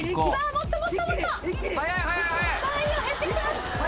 もっともっともっと。さあ減ってきてます。